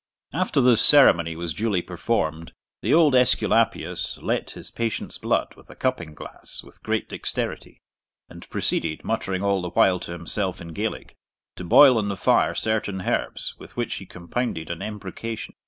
After this ceremony was duly performed, the old Esculapius let his patient's blood with a cupping glass with great dexterity, and proceeded, muttering all the while to himself in Gaelic, to boil on the fire certain herbs, with which he compounded an embrocation.